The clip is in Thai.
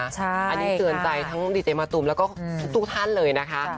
อันนี้เตือนใจทั้งดีเจมะตูมแล้วก็ทุกท่านเลยนะคะ